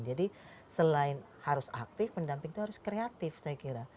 jadi selain harus aktif pendamping itu harus kreatif saya kira